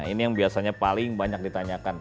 ini yang biasanya paling banyak ditanyakan